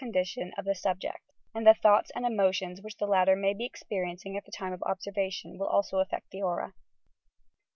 condition of the subject; and the thoughts and emotions which the latter may be experiencing at the time of observation will also uSect the aura.